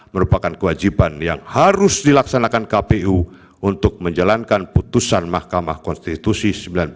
merupakan kewajiban yang harus dilaksanakan kpu untuk menjalankan putusan mahkamah konstitusi sembilan puluh